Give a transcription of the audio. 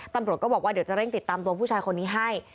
ตำรวจก็บอกว่าเดี๋ยวจะเร่งติดตามตัวผู้ชายคนนี้ให้